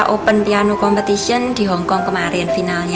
dan juga menang piawai di hong kong kemarin